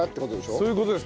そういう事です。